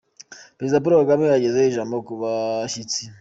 Perezida Paul Kagame ageza ijambo ku bashyitsi.